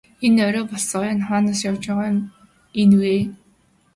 Энэ орой болсон хойно хаанаас явж байгаа нь энэ вэ?